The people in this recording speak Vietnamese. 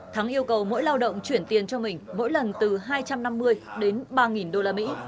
thắng yêu cầu mỗi lao động chuyển tiền cho mình mỗi lần từ hai trăm năm mươi đến ba usd